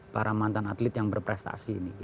para mantan atlet yang berprestasi ini